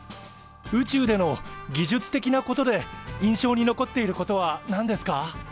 宇宙での技術的なことで印象に残っていることは何ですか？